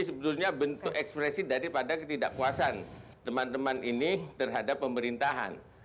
sesungguhnya ini juga bentuk ekspresi daripada ketidakkuasaan teman teman ini terhadap pemerintahan